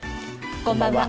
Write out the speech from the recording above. こんばんは。